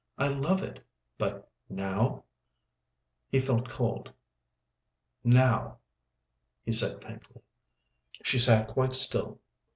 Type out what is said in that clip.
I love it, but now—" He felt cold. "Now?" he said, faintly. She sat quite still.